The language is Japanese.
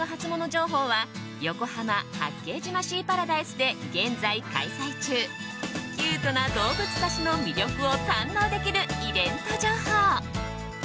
情報は横浜・八景島シーパラダイスで現在開催中キュートな動物たちの魅力を堪能できるイベント情報。